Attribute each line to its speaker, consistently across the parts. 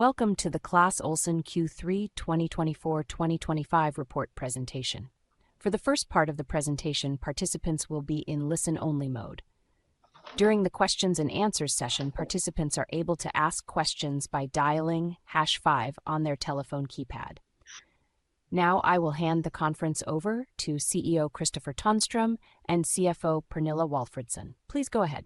Speaker 1: Welcome to the Clas Ohlson Q3 2024-2025 report presentation. For the first part of the presentation, participants will be in listen-only mode. During the Q&A session, participants are able to ask questions by dialing hash five on their telephone keypad. Now, I will hand the conference over to CEO Kristofer Tonström and CFO Pernilla Walfridsson. Please go ahead.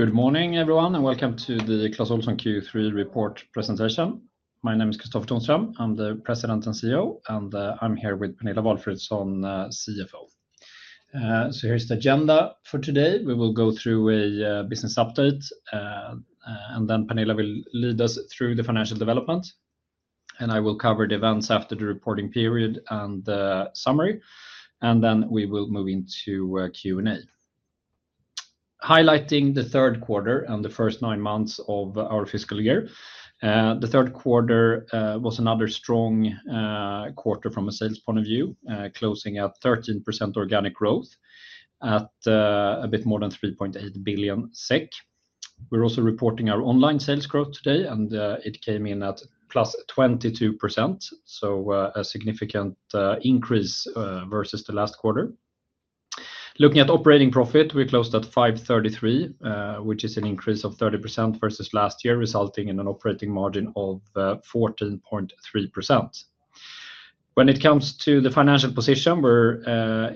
Speaker 2: Good morning, everyone, and welcome to the Clas Ohlson Q3 report presentation. My name is Kristofer Tonström, I'm the President and CEO, and I'm here with Pernilla Walfridsson, CFO. Here is the agenda for today: we will go through a business update, Pernilla will lead us through the financial development, I will cover the events after the reporting period and summary, and we will move into Q&A. Highlighting the third quarter and the first nine months of our fiscal year, the third quarter was another strong quarter from a sales point of view, closing at 13% organic growth at a bit more than 3.8 billion SEK. We're also reporting our online sales growth today, and it came in at +22%, a significant increase versus the last quarter. Looking at operating profit, we closed at 533 million, which is an increase of 30% versus last year, resulting in an operating margin of 14.3%. When it comes to the financial position, we're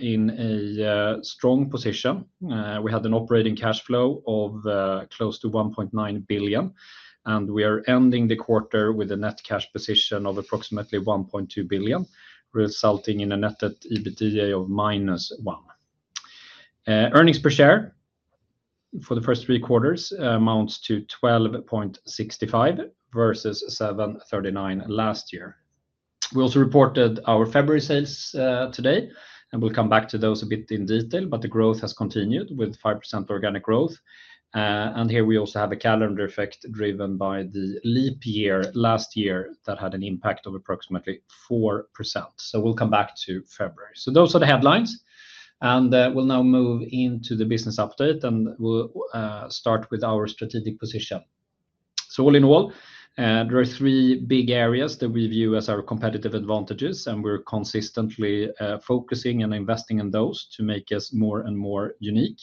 Speaker 2: in a strong position. We had an operating cash flow of close to 1.9 billion, and we are ending the quarter with a net cash position of approximately 1.2 billion, resulting in a net debt EBITDA of -1. Earnings per share for the first three quarters amounts to 12.65 versus 7.39 last year. We also reported our February sales today, and we will come back to those a bit in detail, but the growth has continued with 5% organic growth. Here we also have a calendar effect driven by the leap year last year that had an impact of approximately 4%. We will come back to February. Those are the headlines, and we'll now move into the business update, and we'll start with our strategic position. All in all, there are three big areas that we view as our competitive advantages, and we're consistently focusing and investing in those to make us more and more unique.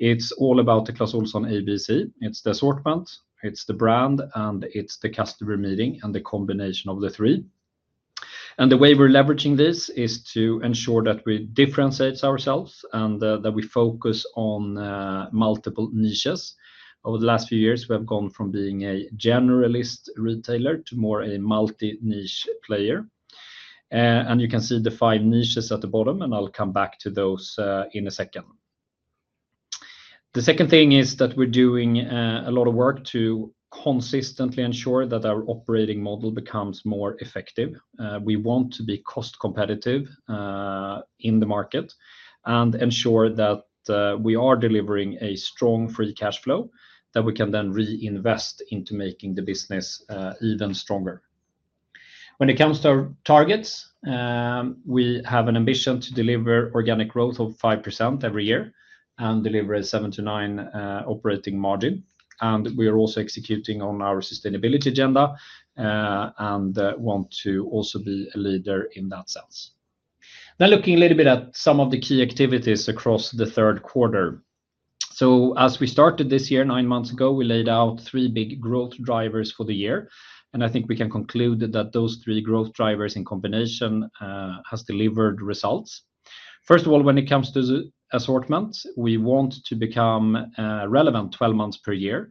Speaker 2: It's all about the Clas Ohlson ABC. It's the assortment, it's the brand, and it's the customer meeting and the combination of the three. The way we're leveraging this is to ensure that we differentiate ourselves and that we focus on multiple niches. Over the last few years, we have gone from being a generalist retailer to more a multi-niche player. You can see the five niches at the bottom, and I'll come back to those in a second. The second thing is that we're doing a lot of work to consistently ensure that our operating model becomes more effective. We want to be cost competitive in the market and ensure that we are delivering a strong free cash flow that we can then reinvest into making the business even stronger. When it comes to our targets, we have an ambition to deliver organic growth of 5% every year and deliver a 7%-9% operating margin. We are also executing on our sustainability agenda and want to also be a leader in that sense. Now, looking a little bit at some of the key activities across the third quarter. As we started this year, nine months ago, we laid out three big growth drivers for the year, and I think we can conclude that those three growth drivers in combination have delivered results. First of all, when it comes to assortment, we want to become relevant 12 months per year.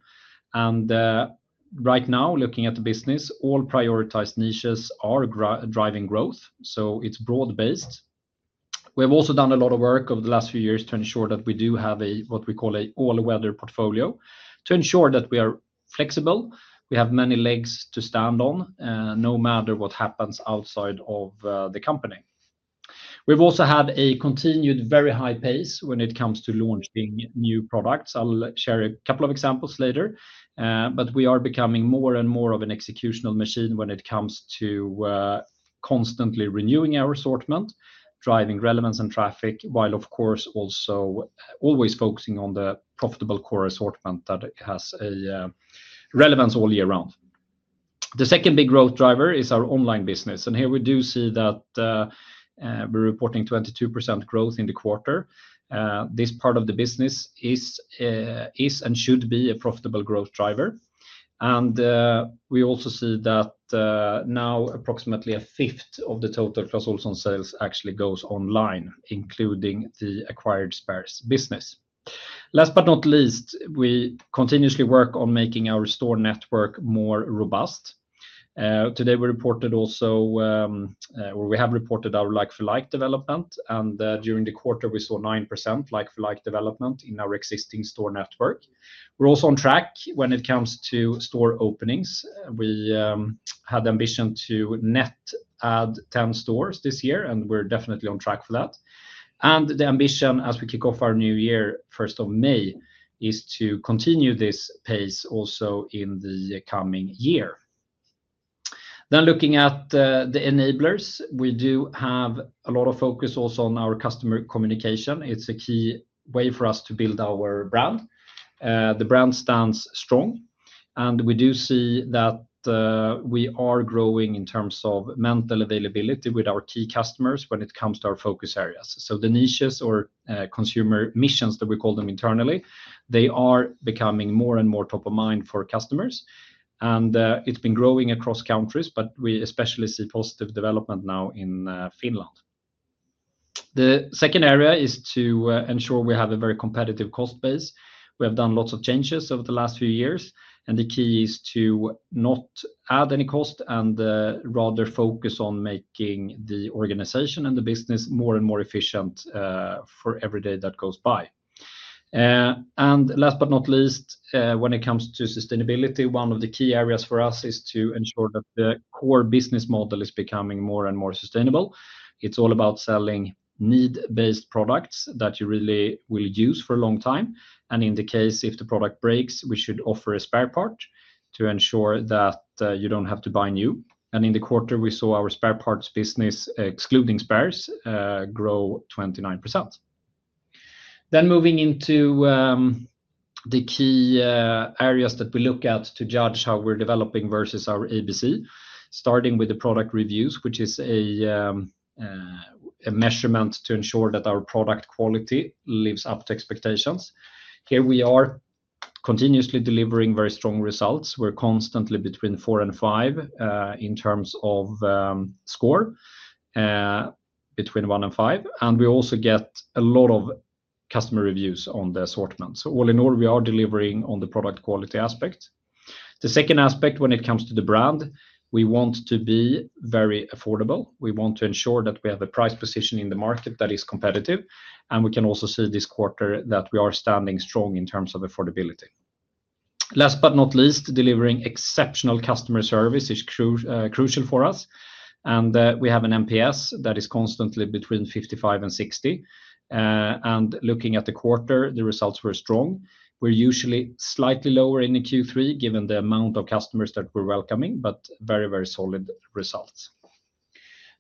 Speaker 2: Right now, looking at the business, all prioritized niches are driving growth, so it's broad-based. We have also done a lot of work over the last few years to ensure that we do have what we call an all-weather portfolio to ensure that we are flexible. We have many legs to stand on no matter what happens outside of the company. We've also had a continued very high pace when it comes to launching new products. I'll share a couple of examples later, but we are becoming more and more of an executional machine when it comes to constantly renewing our assortment, driving relevance and traffic, while, of course, also always focusing on the profitable core assortment that has relevance all year round. The second big growth driver is our online business, and here we do see that we're reporting 22% growth in the quarter. This part of the business is and should be a profitable growth driver. We also see that now approximately a fifth of the total Clas Ohlson sales actually goes online, including the acquired Spares business. Last but not least, we continuously work on making our store network more robust. Today, we reported also, or we have reported our like-for-like development, and during the quarter, we saw 9% like-for-like development in our existing store network. We're also on track when it comes to store openings. We had the ambition to net add 10 stores this year, and we're definitely on track for that. The ambition, as we kick off our new year, 1st of May, is to continue this pace also in the coming year. Looking at the enablers, we do have a lot of focus also on our customer communication. It's a key way for us to build our brand. The brand stands strong, and we do see that we are growing in terms of mental availability with our key customers when it comes to our focus areas. The niches or consumer missions, that we call them internally, are becoming more and more top of mind for customers, and it's been growing across countries, but we especially see positive development now in Finland. The second area is to ensure we have a very competitive cost base. We have done lots of changes over the last few years, and the key is to not add any cost and rather focus on making the organization and the business more and more efficient for every day that goes by. Last but not least, when it comes to sustainability, one of the key areas for us is to ensure that the core business model is becoming more and more sustainable. It's all about selling need-based products that you really will use for a long time. In the case, if the product breaks, we should offer a spare part to ensure that you don't have to buy new. In the quarter, we saw our spare parts business, excluding Spares, grow 29%. Moving into the key areas that we look at to judge how we're developing versus our ABC, starting with the product reviews, which is a measurement to ensure that our product quality lives up to expectations. Here we are continuously delivering very strong results. We're constantly between four and five in terms of score, between one and five. We also get a lot of customer reviews on the assortment. All in all, we are delivering on the product quality aspect. The second aspect, when it comes to the brand, we want to be very affordable. We want to ensure that we have a price position in the market that is competitive, and we can also see this quarter that we are standing strong in terms of affordability. Last but not least, delivering exceptional customer service is crucial for us, and we have an NPS that is constantly between 55 and 60. Looking at the quarter, the results were strong. We're usually slightly lower in Q3, given the amount of customers that we're welcoming, but very, very solid results.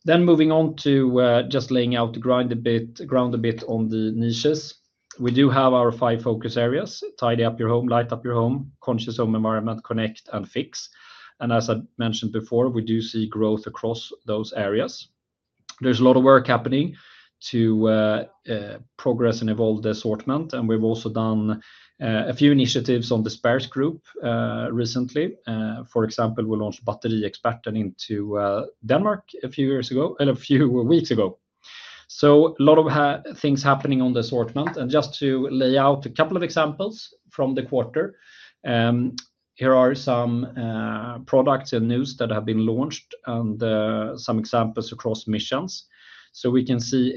Speaker 2: Moving on to just laying out the ground a bit on the niches, we do have our five focus areas: tidy up your home, light up your home, conscious home environment, connect and fix. As I mentioned before, we do see growth across those areas. There's a lot of work happening to progress and evolve the assortment, and we've also done a few initiatives on the Spares Group recently. For example, we launched Batteriexperten into Denmark a few weeks ago. A lot of things are happening on the assortment. Just to lay out a couple of examples from the quarter, here are some products and news that have been launched and some examples across missions. We can see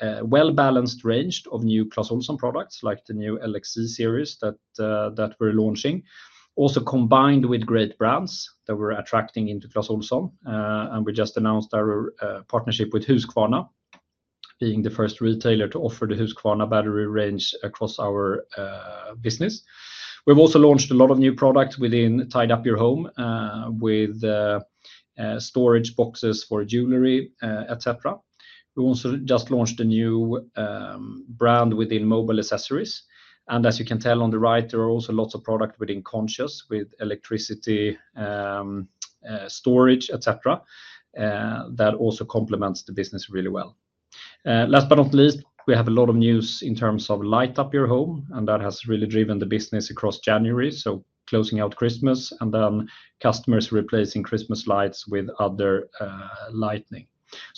Speaker 2: a well-balanced range of new Clas Ohlson products, like the new LXC series that we're launching, also combined with great brands that we're attracting into Clas Ohlson. We just announced our partnership with Husqvarna, being the first retailer to offer the Husqvarna battery range across our business. We've also launched a lot of new products within Tidy Up Your Home, with storage boxes for jewelry, etc. We also just launched a new brand within mobile accessories. As you can tell on the right, there are also lots of products within Conscious, with electricity storage, etc., that also complements the business really well. Last but not least, we have a lot of news in terms of light up your home, and that has really driven the business across January, closing out Christmas, and then customers replacing Christmas lights with other lighting.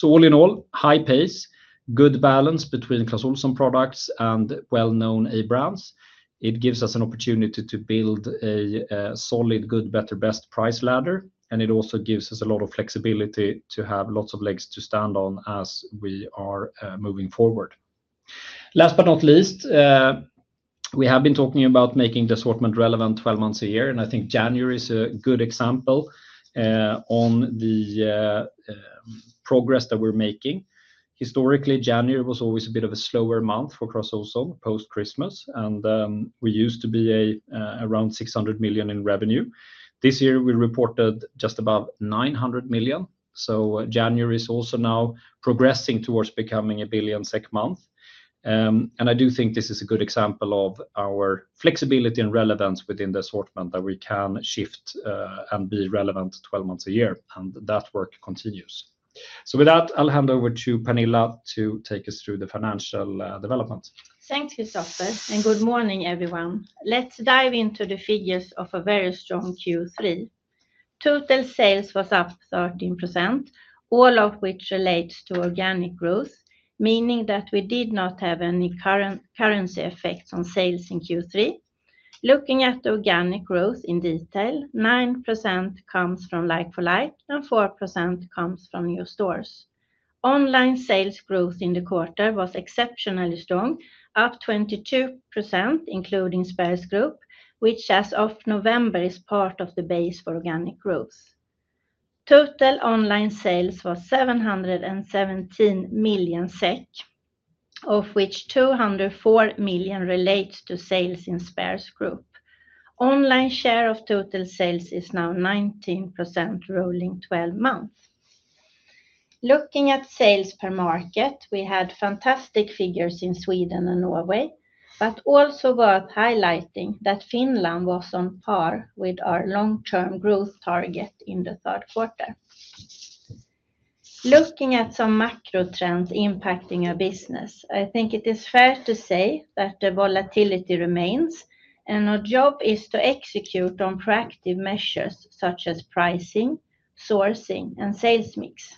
Speaker 2: All in all, high pace, good balance between Clas Ohlson products and well-known A brands. It gives us an opportunity to build a solid, good, better, best price ladder, and it also gives us a lot of flexibility to have lots of legs to stand on as we are moving forward. Last but not least, we have been talking about making the assortment relevant 12 months a year, and I think January is a good example on the progress that we're making. Historically, January was always a bit of a slower month for Clas Ohlson post-Christmas, and we used to be around 600 million in revenue. This year, we reported just above 900 million. January is also now progressing towards becoming a 1 billion SEK month. I do think this is a good example of our flexibility and relevance within the assortment that we can shift and be relevant 12 months a year, and that work continues. With that, I'll hand over to Pernilla to take us through the financial development.
Speaker 3: Thanks, Kristofer, and good morning, everyone. Let's dive into the figures of a very strong Q3. Total sales was up 13%, all of which relates to organic growth, meaning that we did not have any currency effects on sales in Q3. Looking at organic growth in detail, 9% comes from like-for-like and 4% comes from new stores. Online sales growth in the quarter was exceptionally strong, up 22%, including Spares Group, which, as of November, is part of the base for organic growth. Total online sales was 717 million SEK, of which 204 million relates to sales in Spares Group. Online share of total sales is now 19% rolling 12 months. Looking at sales per market, we had fantastic figures in Sweden and Norway, but also worth highlighting that Finland was on par with our long-term growth target in the third quarter. Looking at some macro trends impacting our business, I think it is fair to say that the volatility remains, and our job is to execute on proactive measures such as pricing, sourcing, and sales mix.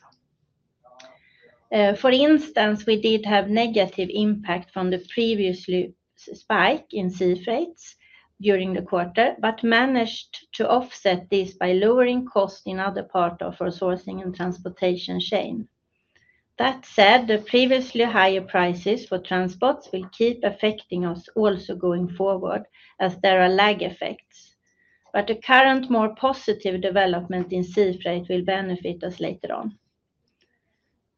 Speaker 3: For instance, we did have a negative impact from the previous spike in sea freights during the quarter, but managed to offset this by lowering costs in other parts of our sourcing and transportation chain. That said, the previously higher prices for transports will keep affecting us also going forward, as there are lag effects, but the current more positive development in sea freight will benefit us later on.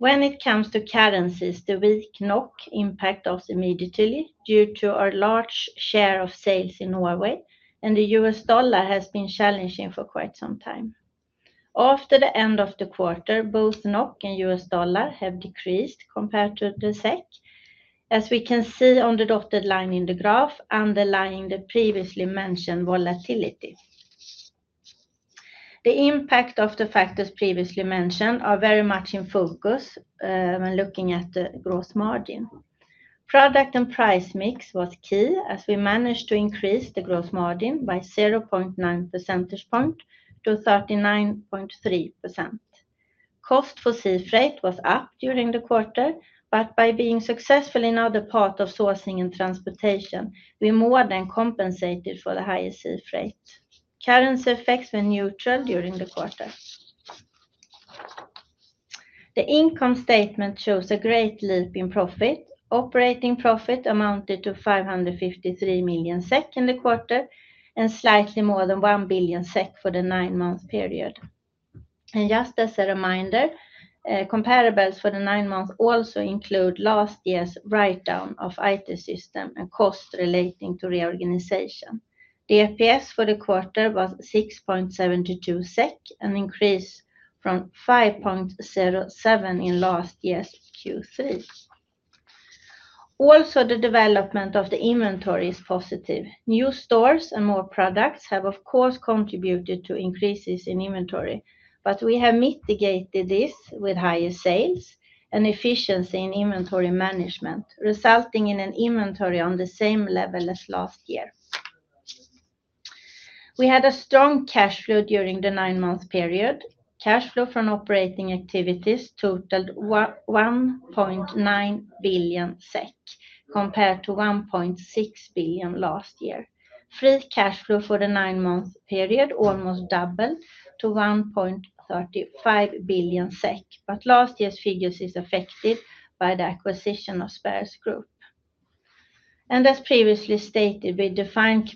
Speaker 3: When it comes to currencies, the weak NOK impacted us immediately due to our large share of sales in Norway, and the U.S. dollar has been challenging for quite some time. After the end of the quarter, both NOK and U.S. dollar have decreased compared to the SEK, as we can see on the dotted line in the graph, underlying the previously mentioned volatility. The impact of the factors previously mentioned are very much in focus when looking at the gross margin. Product and price mix was key, as we managed to increase the gross margin by 0.9 percentage point to 39.3%. Cost for sea freight was up during the quarter, but by being successful in other parts of sourcing and transportation, we more than compensated for the higher sea freight. Currency effects were neutral during the quarter. The income statement shows a great leap in profit. Operating profit amounted to 553 million SEK in the quarter, and slightly more than 1 billion SEK for the nine-month period. Just as a reminder, comparables for the nine months also include last year's write-down of IT system and cost relating to reorganization. The EPS for the quarter was 6.72 SEK, an increase from 5.07 in last year's Q3. Also, the development of the inventory is positive. New stores and more products have, of course, contributed to increases in inventory, but we have mitigated this with higher sales and efficiency in inventory management, resulting in an inventory on the same level as last year. We had a strong cash flow during the nine-month period. Cash flow from operating activities totaled 1.9 billion SEK, compared to 1.6 billion last year. Free cash flow for the nine-month period almost doubled to 1.35 billion SEK, but last year's figures are affected by the acquisition of Spares Group. As previously stated, we define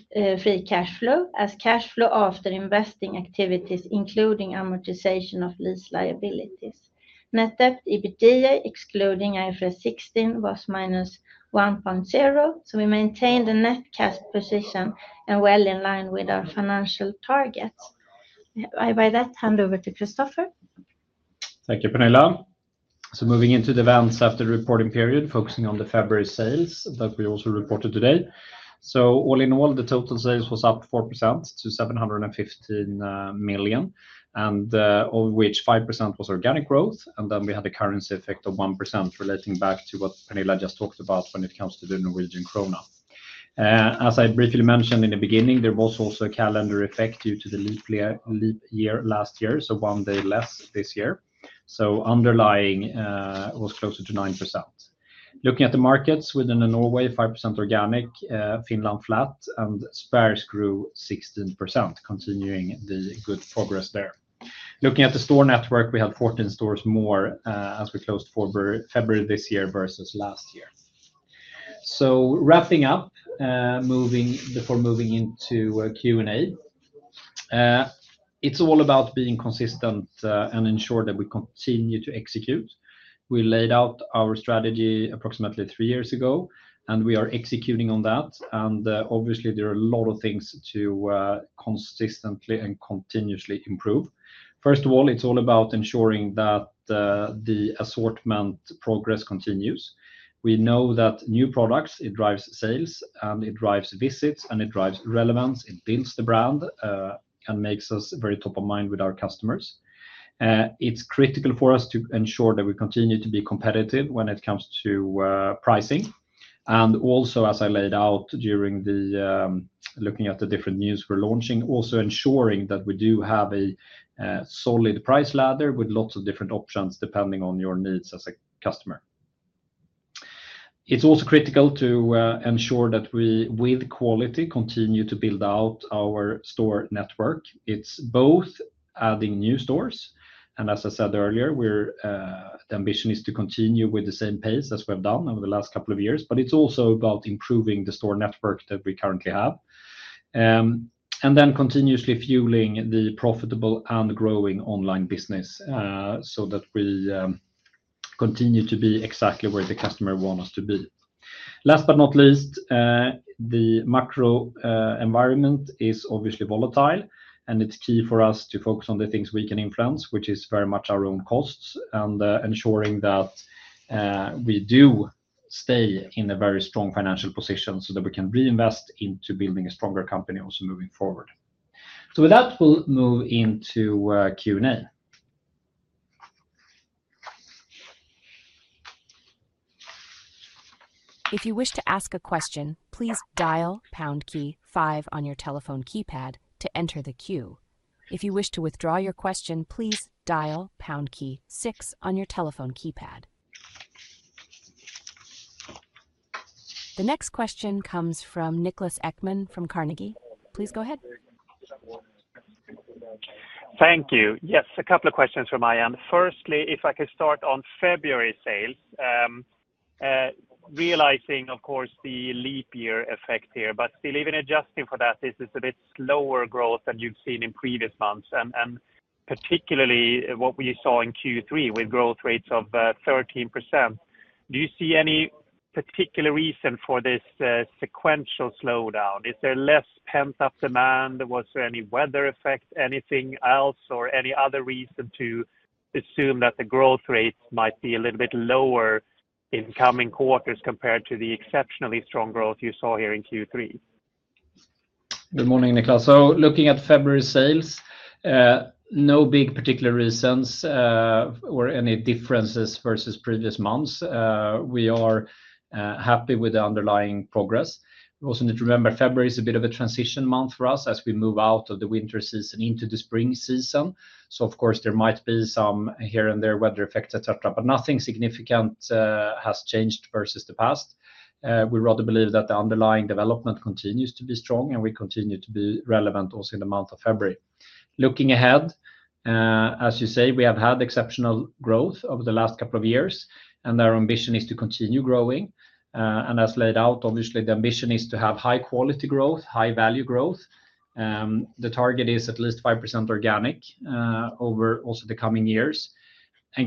Speaker 3: free cash flow as cash flow after investing activities, including amortization of lease liabilities. Net debt EBITDA, excluding IFRS 16, was -1.0, so we maintained a net cash position and well in line with our financial targets. I will hand over to Kristofer.
Speaker 2: Thank you, Pernilla. Moving into the events after the reporting period, focusing on the February sales that we also reported today. All in all, the total sales was up 4% to 715 million, of which 5% was organic growth, and then we had a currency effect of 1% relating back to what Pernilla just talked about when it comes to the Norwegian krone. As I briefly mentioned in the beginning, there was also a calendar effect due to the leap year last year, so one day less this year. Underlying was closer to 9%. Looking at the markets within Norway, 5% organic, Finland flat, and Spares grew 16%, continuing the good progress there. Looking at the store network, we had 14 stores more as we closed February this year versus last year. Wrapping up, before moving into Q&A, it's all about being consistent and ensuring that we continue to execute. We laid out our strategy approximately three years ago, and we are executing on that. Obviously, there are a lot of things to consistently and continuously improve. First of all, it's all about ensuring that the assortment progress continues. We know that new products, it drives sales, and it drives visits, and it drives relevance. It builds the brand and makes us very top of mind with our customers. It's critical for us to ensure that we continue to be competitive when it comes to pricing. Also, as I laid out during the looking at the different news we're launching, ensuring that we do have a solid price ladder with lots of different options depending on your needs as a customer. It's also critical to ensure that we, with quality, continue to build out our store network. It's both adding new stores, and as I said earlier, the ambition is to continue with the same pace as we've done over the last couple of years, but it's also about improving the store network that we currently have. Continuously fueling the profitable and growing online business so that we continue to be exactly where the customer wants us to be. Last but not least, the macro environment is obviously volatile, and it's key for us to focus on the things we can influence, which is very much our own costs and ensuring that we do stay in a very strong financial position so that we can reinvest into building a stronger company also moving forward. With that, we'll move into Q&A.
Speaker 1: If you wish to ask a question, please dial pound key five on your telephone keypad to enter the queue. If you wish to withdraw your question, please dial pound key six on your telephone keypad. The next question comes from Niklas Ekman from Carnegie. Please go ahead.
Speaker 4: Thank you. Yes, a couple of questions for Marianne. Firstly, if I could start on February sales, realizing, of course, the leap year effect here, but still even adjusting for that, this is a bit slower growth than you've seen in previous months, and particularly what we saw in Q3 with growth rates of 13%. Do you see any particular reason for this sequential slowdown? Is there less pent-up demand? Was there any weather effect, anything else, or any other reason to assume that the growth rates might be a little bit lower in coming quarters compared to the exceptionally strong growth you saw here in Q3?
Speaker 2: Good morning, Niklas. Looking at February sales, no big particular reasons or any differences versus previous months. We are happy with the underlying progress. We also need to remember February is a bit of a transition month for us as we move out of the winter season into the spring season. Of course, there might be some here and there weather effects, etc., but nothing significant has changed versus the past. We rather believe that the underlying development continues to be strong and we continue to be relevant also in the month of February. Looking ahead, as you say, we have had exceptional growth over the last couple of years, and our ambition is to continue growing. As laid out, obviously, the ambition is to have high-quality growth, high-value growth. The target is at least 5% organic over also the coming years.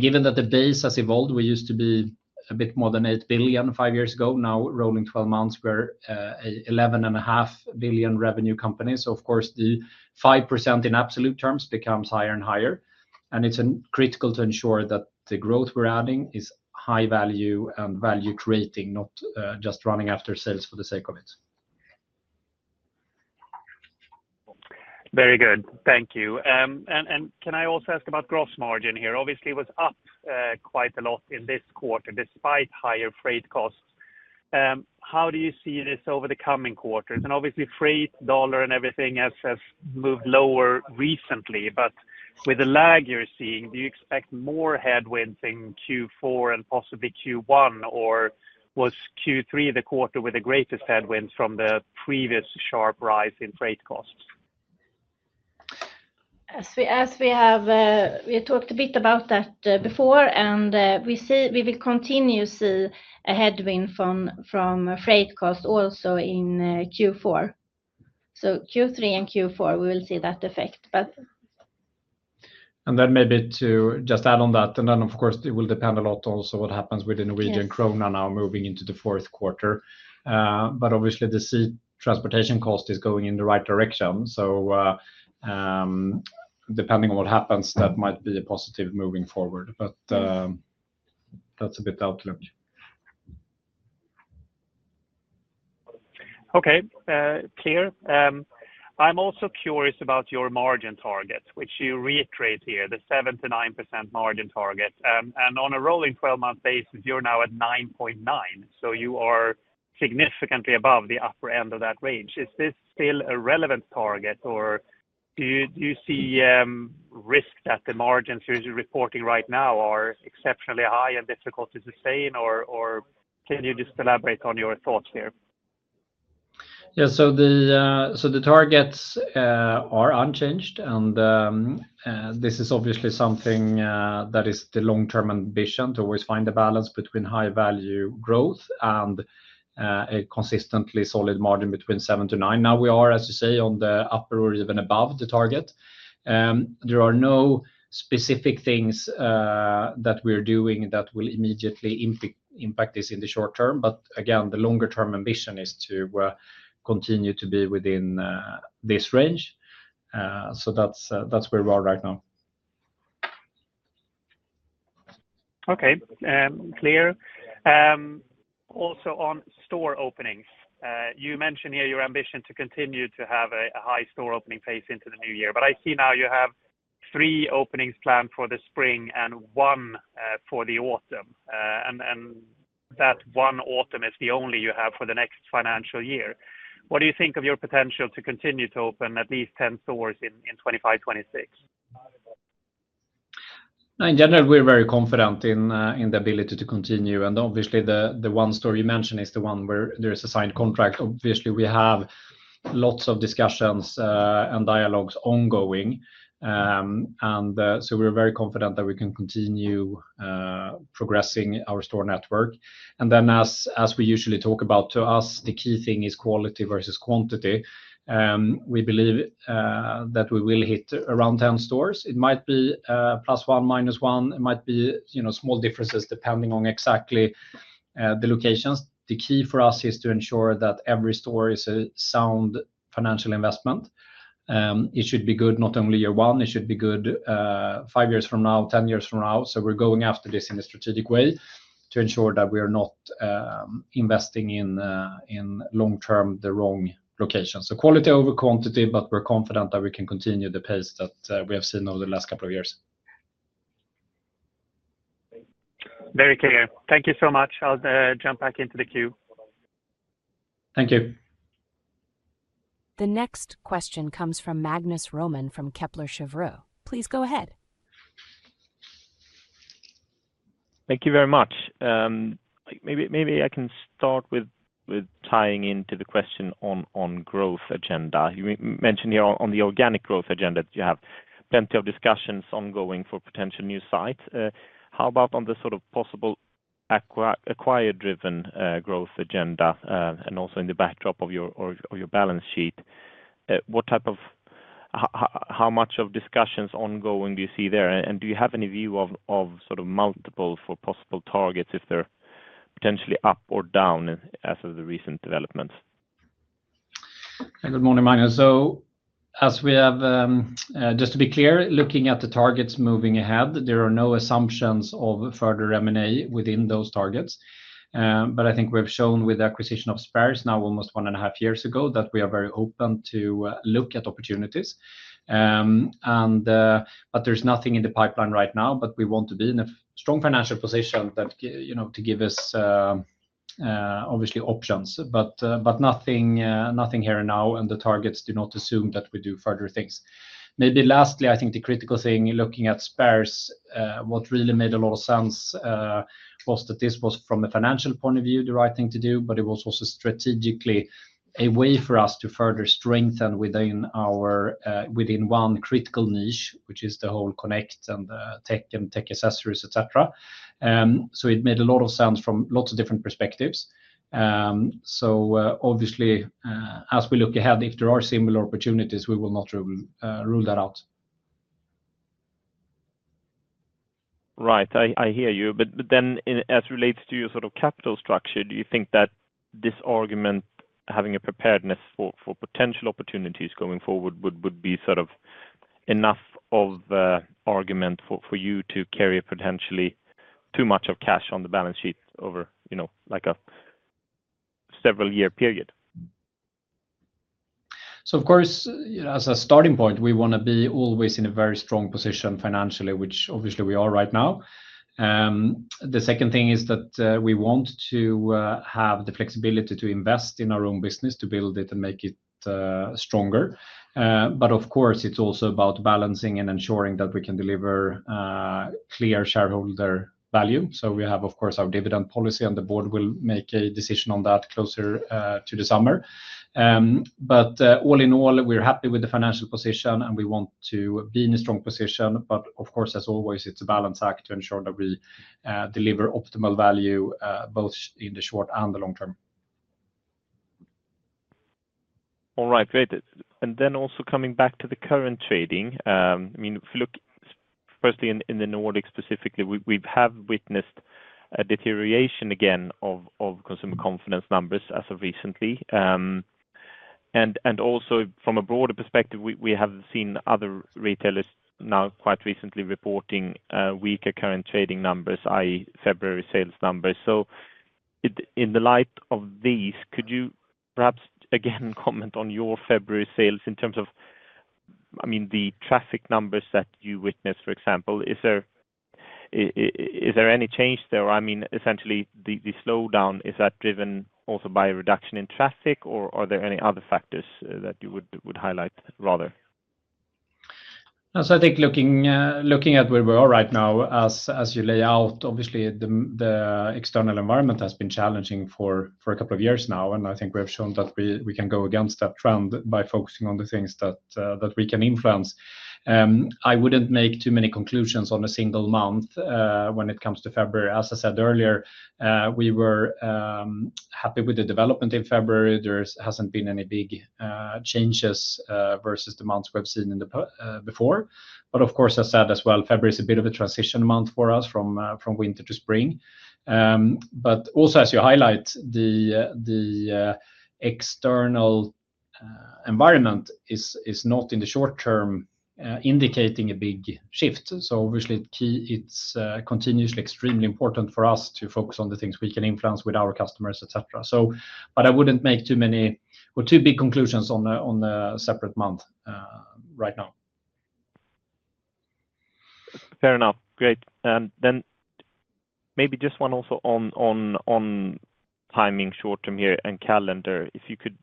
Speaker 2: Given that the base has evolved, we used to be a bit more than 8 billion five years ago. Now, rolling 12 months, we are an 11.5 billion revenue company. Of course, the 5% in absolute terms becomes higher and higher. It is critical to ensure that the growth we are adding is high value and value creating, not just running after sales for the sake of it.
Speaker 4: Very good. Thank you. Can I also ask about gross margin here? Obviously, it was up quite a lot in this quarter despite higher freight costs. How do you see this over the coming quarters? Obviously, freight, dollar, and everything has moved lower recently, but with the lag you are seeing, do you expect more headwinds in Q4 and possibly Q1, or was Q3 the quarter with the greatest headwinds from the previous sharp rise in freight costs?
Speaker 3: We talked a bit about that before, and we will continue to see a headwind from freight costs also in Q4. Q3 and Q4, we will see that effect, but.
Speaker 2: Maybe to just add on that, of course, it will depend a lot also on what happens with the Norwegian krone now moving into the fourth quarter. Obviously, the sea transportation cost is going in the right direction. Depending on what happens, that might be a positive moving forward, but that is a bit the outlook.
Speaker 4: Okay, clear. I am also curious about your margin target, which you reiterate here, the 7%-9% margin target. On a rolling 12-month basis, you are now at 9.9%, so you are significantly above the upper end of that range. Is this still a relevant target, or do you see risk that the margins you are reporting right now are exceptionally high and difficult to sustain, or can you just elaborate on your thoughts here?
Speaker 2: Yeah, so the targets are unchanged, and this is obviously something that is the long-term ambition to always find a balance between high-value growth and a consistently solid margin between 7%-9%. Now we are, as you say, on the upper or even above the target. There are no specific things that we're doing that will immediately impact this in the short term, but again, the longer-term ambition is to continue to be within this range. That is where we are right now.
Speaker 4: Okay, clear. Also on store openings, you mentioned here your ambition to continue to have a high store opening pace into the new year, but I see now you have three openings planned for the spring and one for the autumn, and that one autumn is the only you have for the next financial year. What do you think of your potential to continue to open at least 10 stores in 2025-2026?
Speaker 2: In general, we're very confident in the ability to continue, and obviously, the one store you mentioned is the one where there is a signed contract. We have lots of discussions and dialogues ongoing, and we're very confident that we can continue progressing our store network. As we usually talk about, to us, the key thing is quality versus quantity. We believe that we will hit around 10 stores. It might be plus one, minus one. It might be small differences depending on exactly the locations. The key for us is to ensure that every store is a sound financial investment. It should be good not only year one. It should be good five years from now, ten years from now. We're going after this in a strategic way to ensure that we are not investing in long-term the wrong location. Quality over quantity, but we're confident that we can continue the pace that we have seen over the last couple of years.
Speaker 4: Very clear. Thank you so much. I'll jump back into the queue.
Speaker 2: Thank you.
Speaker 1: The next question comes from Magnus Råman from Kepler Cheuvreux. Please go ahead.
Speaker 5: Thank you very much. Maybe I can start with tying into the question on growth agenda. You mentioned here on the organic growth agenda that you have plenty of discussions ongoing for potential new sites. How about on the sort of possible acquired-driven growth agenda and also in the backdrop of your balance sheet? How much of discussions ongoing do you see there, and do you have any view of sort of multiple for possible targets if they're potentially up or down as of the recent developments?
Speaker 2: Good morning, Magnus. As we have, just to be clear, looking at the targets moving ahead, there are no assumptions of further M&A within those targets. I think we have shown with the acquisition of Spares now almost one and a half years ago that we are very open to look at opportunities. There is nothing in the pipeline right now, but we want to be in a strong financial position to give us obviously options. Nothing here and now, and the targets do not assume that we do further things. Maybe lastly, I think the critical thing looking at Spares, what really made a lot of sense was that this was from a financial point of view the right thing to do, but it was also strategically a way for us to further strengthen within one critical niche, which is the whole connect and tech and tech accessories, etc. It made a lot of sense from lots of different perspectives. Obviously, as we look ahead, if there are similar opportunities, we will not rule that out.
Speaker 5: Right, I hear you. As it relates to your sort of capital structure, do you think that this argument, having a preparedness for potential opportunities going forward, would be sort of enough of an argument for you to carry potentially too much cash on the balance sheet over like a several-year period?
Speaker 2: Of course, as a starting point, we want to be always in a very strong position financially, which obviously we are right now. The second thing is that we want to have the flexibility to invest in our own business, to build it and make it stronger. Of course, it is also about balancing and ensuring that we can deliver clear shareholder value. We have, of course, our dividend policy, and the board will make a decision on that closer to the summer. All in all, we are happy with the financial position, and we want to be in a strong position. Of course, as always, it is a balance act to ensure that we deliver optimal value both in the short and the long term.
Speaker 5: All right, great. Also, coming back to the current trading, I mean, if we look firstly in the Nordics specifically, we have witnessed a deterioration again of consumer confidence numbers as of recently. From a broader perspective, we have seen other retailers now quite recently reporting weaker current trading numbers, i.e., February sales numbers. In the light of these, could you perhaps again comment on your February sales in terms of, I mean, the traffic numbers that you witnessed, for example? Is there any change there? I mean, essentially, the slowdown, is that driven also by a reduction in traffic, or are there any other factors that you would highlight rather?
Speaker 2: I think looking at where we are right now, as you lay out, obviously, the external environment has been challenging for a couple of years now, and I think we have shown that we can go against that trend by focusing on the things that we can influence. I would not make too many conclusions on a single month when it comes to February. As I said earlier, we were happy with the development in February. There has not been any big changes versus the months we have seen before. Of course, as I said as well, February is a bit of a transition month for us from winter to spring. Also, as you highlight, the external environment is not in the short term indicating a big shift. Obviously, it is continuously extremely important for us to focus on the things we can influence with our customers, etc. I would not make too many or too big conclusions on a separate month right now.
Speaker 5: Fair enough. Great. Maybe just one also on timing short term here and calendar. If you could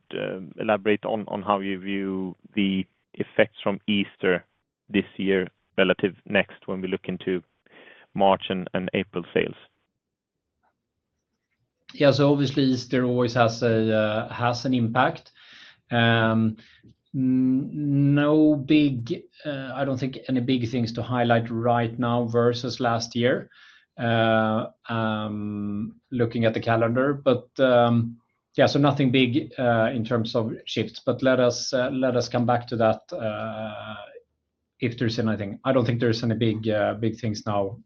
Speaker 5: elaborate on how you view the effects from Easter this year relative to next when we look into March and April sales.
Speaker 2: Yeah, obviously, Easter always has an impact. No big, I do not think any big things to highlight right now versus last year looking at the calendar. Yeah, nothing big in terms of shifts, but let us come back to that if there is anything. I do not think there are any big things now.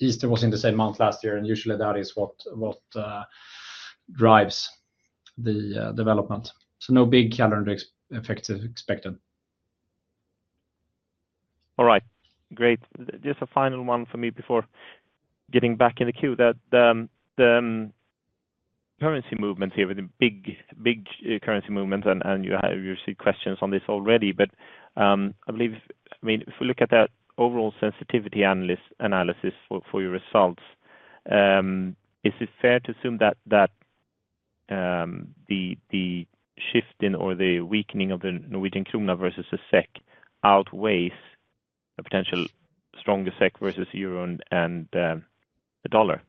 Speaker 2: Easter was in the same month last year, and usually that is what drives the development. No big calendar effects expected.
Speaker 5: All right. Great. Just a final one for me before getting back in the queue. The currency movements here with the big currency movements, and you have your questions on this already, but I believe, I mean, if we look at that overall sensitivity analysis for your results, is it fair to assume that the shifting or the weakening of the Norwegian krone versus the SEK outweighs a potential stronger SEK versus euro and the dollar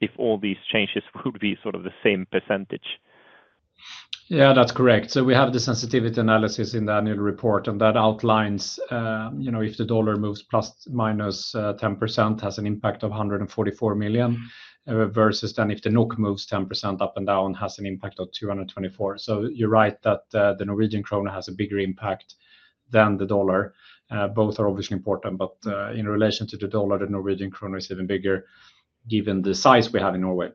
Speaker 5: if all these changes would be sort of the same percentage?
Speaker 2: Yeah, that's correct. We have the sensitivity analysis in the annual report, and that outlines if the dollar moves ±10% has an impact of 144 million versus then if the NOK moves 10% up and down has an impact of 224 million. You're right that the Norwegian krone has a bigger impact than the dollar. Both are obviously important, but in relation to the dollar, the Norwegian krone is even bigger given the size we have in Norway.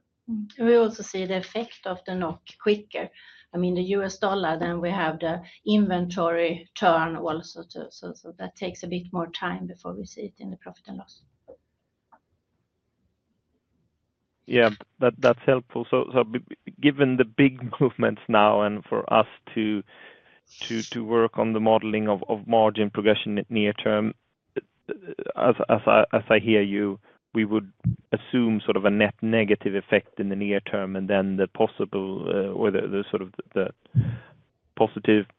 Speaker 3: We also see the effect of the NOK quicker. I mean, the U.S. dollar, then we have the inventory turn also, so that takes a bit more time before we see it in the profit and loss.
Speaker 5: Yeah, that's helpful. Given the big movements now and for us to work on the modeling of margin progression near term, as I hear you, we would assume sort of a net negative effect in the near term and then the possible or the sort of the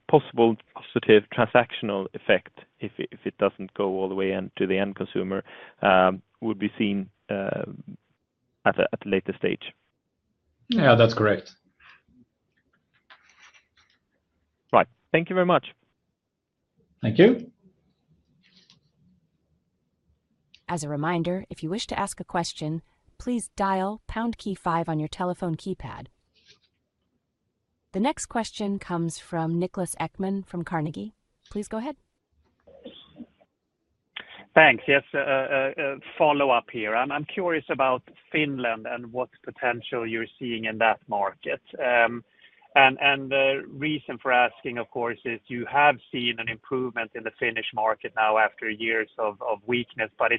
Speaker 5: possible positive transactional effect if it does not go all the way into the end consumer would be seen at a later stage.
Speaker 2: Yeah, that's correct.
Speaker 5: Right. Thank you very much.
Speaker 2: Thank you.
Speaker 1: As a reminder, if you wish to ask a question, please dial pound key five on your telephone keypad. The next question comes from Niklas Ekman from Carnegie. Please go ahead.
Speaker 4: Thanks. Yes, follow-up here. I'm curious about Finland and what potential you're seeing in that market. The reason for asking, of course, is you have seen an improvement in the Finnish market now after years of weakness, but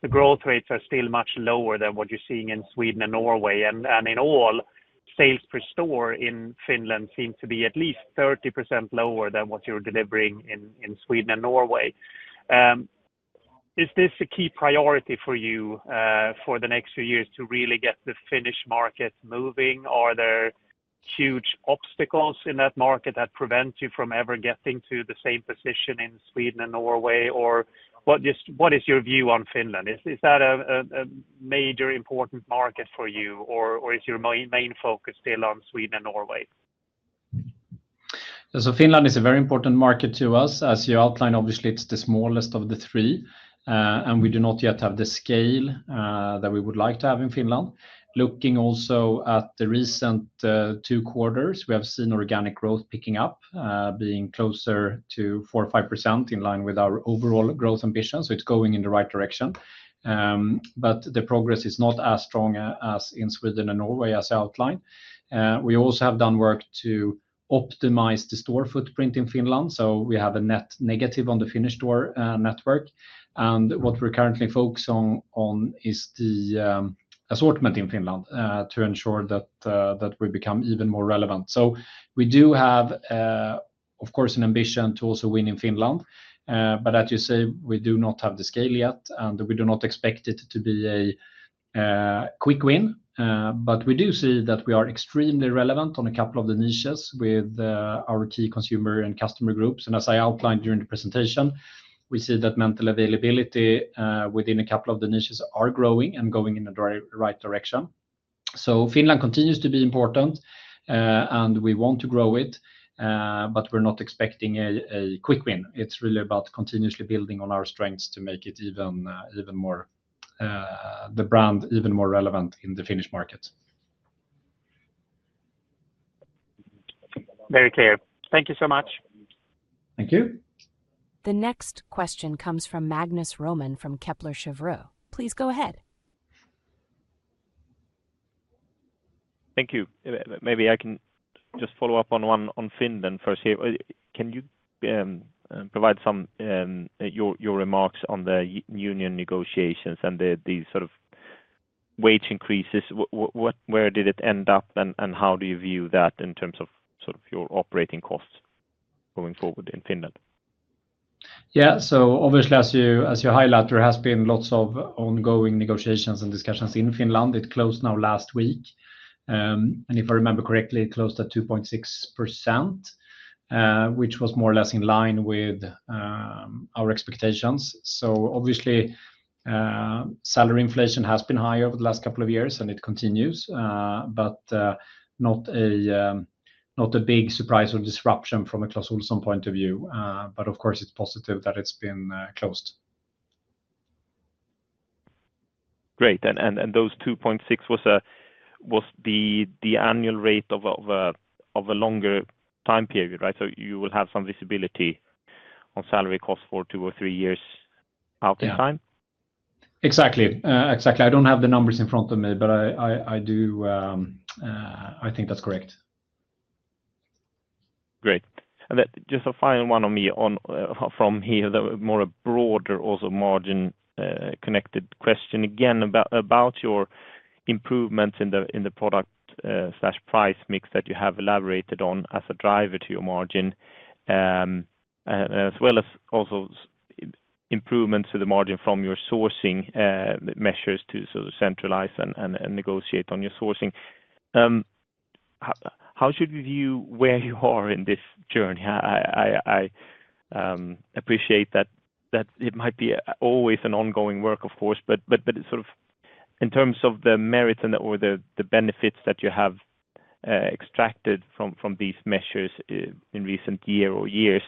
Speaker 4: the growth rates are still much lower than what you're seeing in Sweden and Norway. In all, sales per store in Finland seem to be at least 30% lower than what you're delivering in Sweden and Norway. Is this a key priority for you for the next few years to really get the Finnish market moving? Are there huge obstacles in that market that prevent you from ever getting to the same position in Sweden and Norway? What is your view on Finland? Is that a major important market for you, or is your main focus still on Sweden and Norway?
Speaker 2: Finland is a very important market to us. As you outlined, obviously, it is the smallest of the three, and we do not yet have the scale that we would like to have in Finland. Looking also at the recent two quarters, we have seen organic growth picking up, being closer to 4%-5% in line with our overall growth ambition. It is going in the right direction. The progress is not as strong as in Sweden and Norway as I outlined. We also have done work to optimize the store footprint in Finland, so we have a net negative on the Finnish store network. What we are currently focusing on is the assortment in Finland to ensure that we become even more relevant. We do have, of course, an ambition to also win in Finland, but as you say, we do not have the scale yet, and we do not expect it to be a quick win. We do see that we are extremely relevant on a couple of the niches with our key consumer and customer groups. As I outlined during the presentation, we see that mental availability within a couple of the niches is growing and going in the right direction. Finland continues to be important, and we want to grow it, but we're not expecting a quick win. It's really about continuously building on our strengths to make the brand even more relevant in the Finnish market.
Speaker 4: Very clear. Thank you so much.
Speaker 2: Thank you.
Speaker 1: The next question comes from Magnus Råman from Kepler Cheuvreux. Please go ahead.
Speaker 5: Thank you. Maybe I can just follow up on one on Finland first here. Can you provide some of your remarks on the union negotiations and the sort of wage increases? Where did it end up, and how do you view that in terms of sort of your operating costs going forward in Finland?
Speaker 2: Yeah, so obviously, as you highlight, there has been lots of ongoing negotiations and discussions in Finland. It closed now last week. If I remember correctly, it closed at 2.6%, which was more or less in line with our expectations. Obviously, salary inflation has been higher over the last couple of years, and it continues, but not a big surprise or disruption from a Clas Ohlson point of view. Of course, it is positive that it has been closed.
Speaker 5: Great. And those 2.6% was the annual rate of a longer time period, right? You will have some visibility on salary costs for two or three years out in time.
Speaker 2: Exactly. Exactly. I do not have the numbers in front of me, but I think that is correct.
Speaker 5: Great. Just a final one from me from here, more a broader also margin-connected question again about your improvements in the product/price mix that you have elaborated on as a driver to your margin, as well as also improvements to the margin from your sourcing measures to sort of centralize and negotiate on your sourcing. How should we view where you are in this journey? I appreciate that it might be always an ongoing work, of course, but sort of in terms of the merits or the benefits that you have extracted from these measures in recent year or years,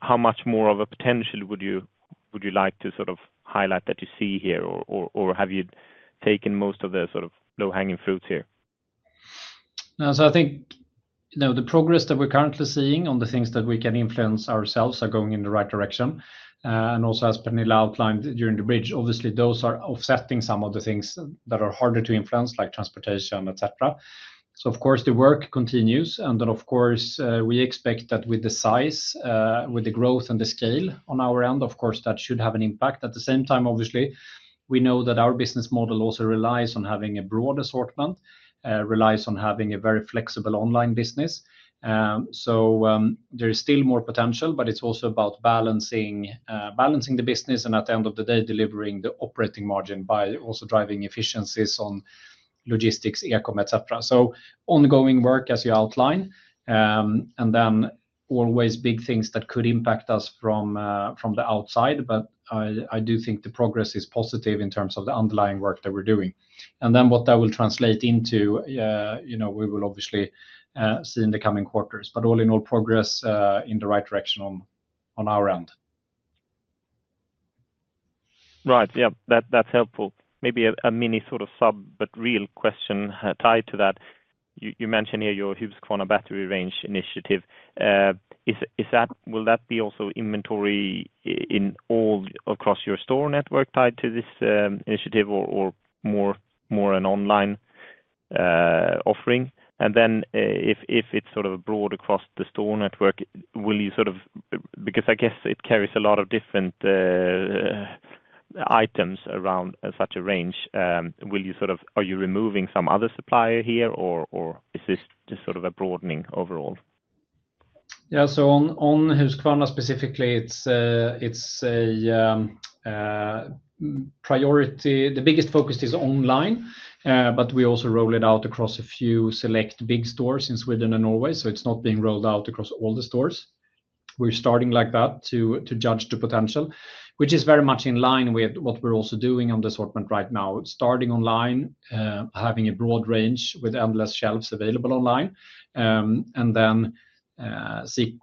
Speaker 5: how much more of a potential would you like to sort of highlight that you see here, or have you taken most of the sort of low-hanging fruits here?
Speaker 2: I think the progress that we're currently seeing on the things that we can influence ourselves are going in the right direction. Also, as Pernilla outlined during the bridge, obviously, those are offsetting some of the things that are harder to influence, like transportation, etc. Of course, the work continues. We expect that with the size, with the growth and the scale on our end, of course, that should have an impact. At the same time, obviously, we know that our business model also relies on having a broad assortment, relies on having a very flexible online business. There is still more potential, but it is also about balancing the business and, at the end of the day, delivering the operating margin by also driving efficiencies on logistics, e-com, etc. Ongoing work, as you outlined. Always big things that could impact us from the outside, but I do think the progress is positive in terms of the underlying work that we are doing. What that will translate into, we will obviously see in the coming quarters. All in all, progress in the right direction on our end.
Speaker 5: Right. Yeah, that is helpful. Maybe a mini sort of sub, but real question tied to that. You mentioned here your Husqvarna battery range initiative. Will that be also inventory across your store network tied to this initiative or more an online offering? If it's sort of broad across the store network, will you sort of, because I guess it carries a lot of different items around such a range, will you sort of, are you removing some other supplier here, or is this just sort of a broadening overall?
Speaker 2: Yeah, on Husqvarna specifically, it's a priority. The biggest focus is online, but we also roll it out across a few select big stores in Sweden and Norway, so it's not being rolled out across all the stores. We're starting like that to judge the potential, which is very much in line with what we're also doing on the assortment right now, starting online, having a broad range with endless shelves available online, and then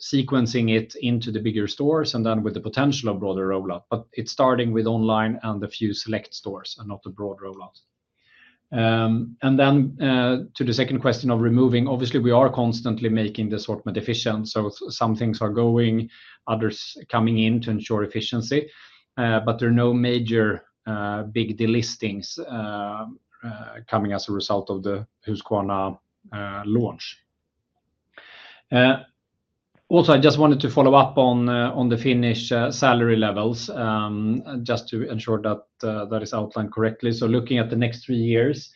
Speaker 2: sequencing it into the bigger stores with the potential of broader rollout. It's starting with online and a few select stores, not a broad rollout. To the second question of removing, obviously, we are constantly making the assortment efficient. Some things are going, others coming in to ensure efficiency, but there are no major big delistings coming as a result of the Husqvarna launch. I just wanted to follow up on the Finnish salary levels just to ensure that that is outlined correctly. Looking at the next three years,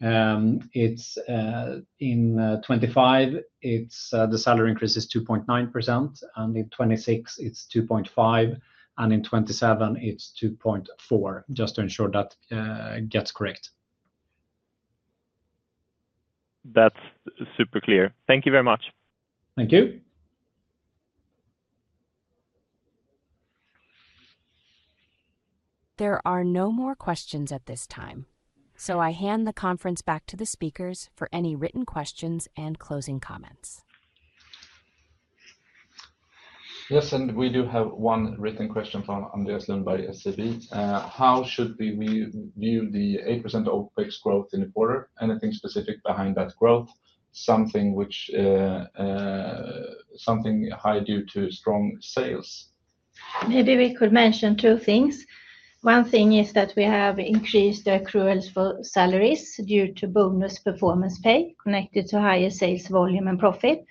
Speaker 2: in 2025, the salary increase is 2.9%, in 2026, it is 2.5%, and in 2027, it is 2.4%, just to ensure that gets correct.
Speaker 5: That is super clear. Thank you very much.
Speaker 2: Thank you.
Speaker 1: There are no more questions at this time, so I hand the conference back to the speakers for any written questions and closing comments.
Speaker 2: Yes, and we do have one written question from Andreas Lund by SEB. How should we view the 8% OpEx growth in the quarter? Anything specific behind that growth? Something high due to strong sales?
Speaker 3: Maybe we could mention two things. One thing is that we have increased accruals for salaries due to bonus performance pay connected to higher sales volume and profit.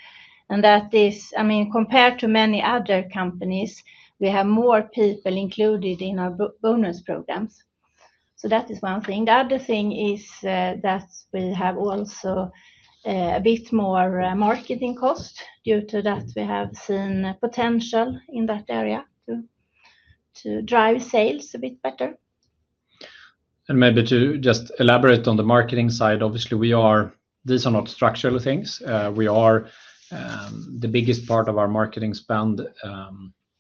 Speaker 3: That is, I mean, compared to many other companies, we have more people included in our bonus programs. That is one thing. The other thing is that we have also a bit more marketing cost due to that we have seen potential in that area to drive sales a bit better.
Speaker 2: Maybe to just elaborate on the marketing side, obviously, these are not structural things. The biggest part of our marketing spend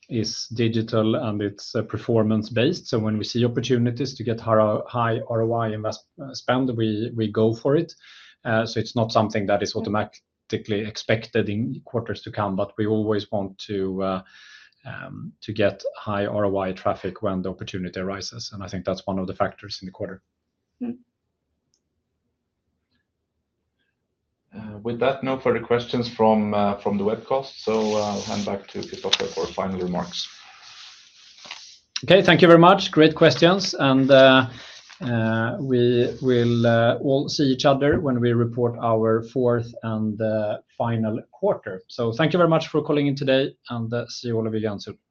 Speaker 2: is digital, and it's performance-based. When we see opportunities to get high ROI spend, we go for it. It's not something that is automatically expected in quarters to come, but we always want to get high ROI traffic when the opportunity arises. I think that's one of the factors in the quarter.
Speaker 1: With that, no further questions from the webcast. I'll hand back to Kristofer for final remarks.
Speaker 2: Thank you very much. Great questions. We will all see each other when we report our fourth and final quarter. Thank you very much for calling in today, and see you all of you again soon.